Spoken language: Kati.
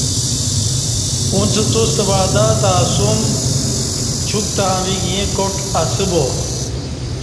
اݩڅ توستہ وعدہ تہ اسوم چوک تاویک ییں کاٹ اسہ با